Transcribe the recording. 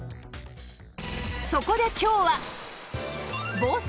そこで今日は